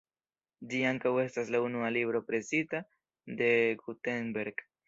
Ĝi ankaŭ estas la unua libro presita de Gutenberg.